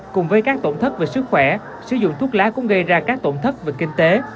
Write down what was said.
cùng với các tổn thất về sức khỏe sử dụng thuốc lá cũng gây ra các tổn thất về kinh tế